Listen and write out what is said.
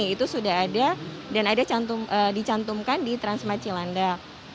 itu sudah ada dan ada dicantumkan di transmarcilandak